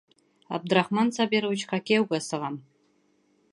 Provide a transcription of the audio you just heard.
Абдрахман Сабировичҡа кейәүгә сығам.